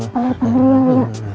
masih balai balai aja ya